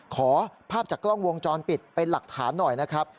ขอภาพจากกล้องวงจรปิดเป็นหลักฐานหน่อยนะครับ